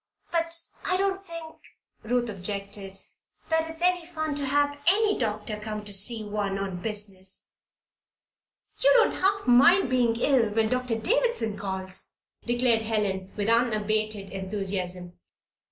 "But I don't think," Ruth objected, "that it's any fun to have any doctor come to see one on business." "You don't half mind being ill when Doctor Davison calls," declared Helen, with unabated enthusiasm.